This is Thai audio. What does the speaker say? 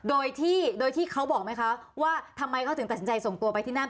โดยที่โดยที่เขาบอกไหมคะว่าทำไมเขาถึงตัดสินใจส่งตัวไปที่นั่น